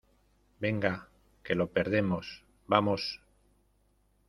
venga, que lo perdemos. ¡ vamos!